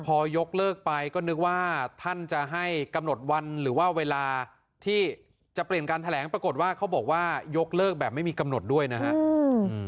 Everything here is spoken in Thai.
พอยกเลิกไปก็นึกว่าท่านจะให้กำหนดวันหรือว่าเวลาที่จะเปลี่ยนการแถลงปรากฏว่าเขาบอกว่ายกเลิกแบบไม่มีกำหนดด้วยนะฮะอืม